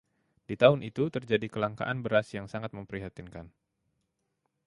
Di tahun itu terjadi kelangkaan beras yang sangat memprihatinkan.